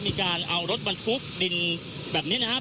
มีการเอารถบรรทุกดินแบบนี้นะครับ